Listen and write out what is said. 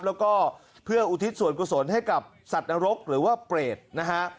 แล้วก็เพื่ออุทิศส่วนกุศลให้กับสัตว์นรกหรือว่าเปรตนะฮะ